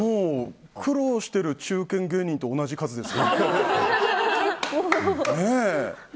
苦労している中堅芸人と同じ数ですね。